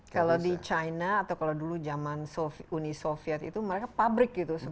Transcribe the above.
kalau di china atau kalau dulu zaman uni soviet itu mereka pabrik gitu